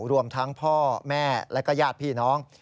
รวมทั้งพ่อแม่และก็ญาติพี่น้อง